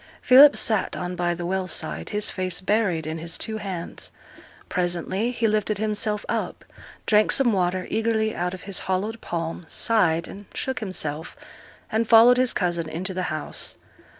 Philip sate on by the well side, his face buried in his two hands. Presently he lifted himself up, drank some water eagerly out of his hollowed palm, sighed, and shook himself, and followed his cousin into the house.